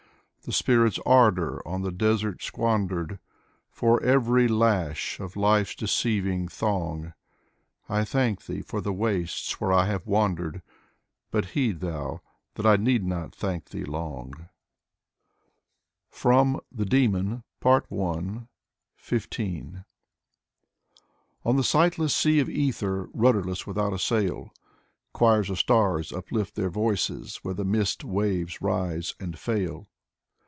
The spirit's ardor on the desert squandered. For every lash of life's deceiving thong; I thank Thee for the wastes where I have wandered : But heed Thou, that I need not thank Thee long. Mikhail Lermontov 21 FROM "THE DAEMON" (Part I, xv) On the sightless seas of ether, Rudderless, without a sail, Choirs of stars uplift their voices, Where the mist waves rise and fail.